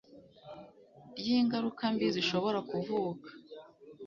ry'ingaruka mbi zishobora kuvuka